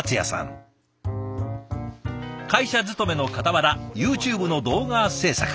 会社勤めのかたわらＹｏｕＴｕｂｅの動画制作。